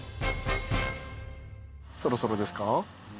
そろそろですか？